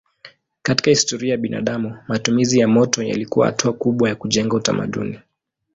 Katika historia ya binadamu matumizi ya moto yalikuwa hatua kubwa ya kujenga utamaduni.